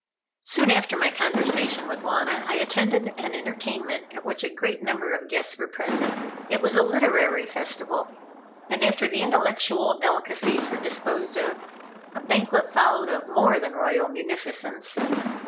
Soon after my conversation with Wauna, I attended an entertainment at which a great number of guests were present. It was a literary festival and, after the intellectual delicacies were disposed of, a banquet followed of more than royal munificence.